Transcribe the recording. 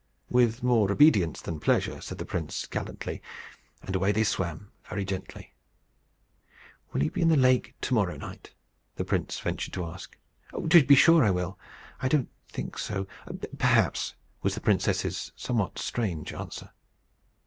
"With more obedience than pleasure," said the prince, gallantly; and away they swam, very gently. "Will you be in the lake to morrow night?" the prince ventured to ask. "To be sure I will. I don't think so. Perhaps," was the princess's somewhat strange answer.